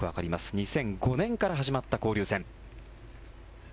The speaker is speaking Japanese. ２００５年から始まった交流戦。